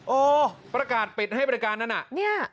โอ้ประกาศปิดให้บริการนั้นน่ะ